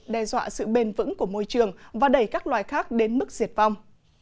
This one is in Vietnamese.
đe dọa sự bền vững của môi trường và đẩy các loài khác đến mức diệt vong